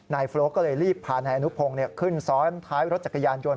โฟลกก็เลยรีบพานายอนุพงศ์ขึ้นซ้อนท้ายรถจักรยานยนต